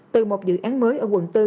từ một dự án mới ở quận bốn